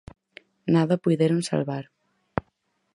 Nada puideron salvar.